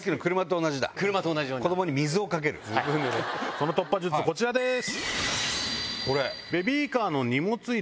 この突破術こちらです。